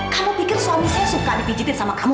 kamu pikir suami saya suka dipijitin sama kamu